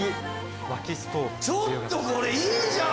ちょっとこれいいじゃん！